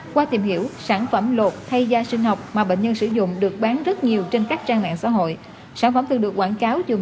qua tìm hiểu sản phẩm lột thay da sinh học mà bệnh nhân sử dụng